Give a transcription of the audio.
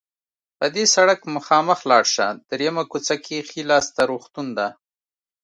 په دې سړک مخامخ لاړ شه، دریمه کوڅه کې ښي لاس ته روغتون ده.